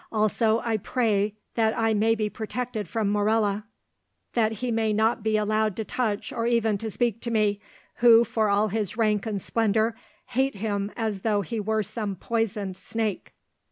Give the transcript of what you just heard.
Also, I pray that I may be protected from Morella, that he may not be allowed to touch or even to speak to me, who, for all his rank and splendour, hate him as though he were some poisoned snake."